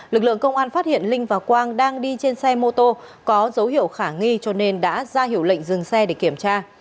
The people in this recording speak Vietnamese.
lực lượng công an phát hiện linh và quang đang đi trên xe mô tô có dấu hiệu khả nghi cho nên đã ra hiệu lệnh dừng xe để kiểm tra